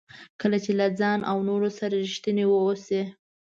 کله چې له ځان او نورو سره ریښتیني واوسئ.